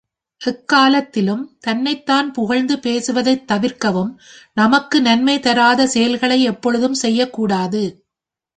எக்காலத்திலும் தன்னைத் தான் புகழ்ந்து பேசுவதைத் தவிர்க்கவும் நமக்கு நன்மை தாராத செயல்களை எப்பொழுதும் செய்யக்கூடாது.